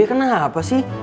sama gue kenapa sih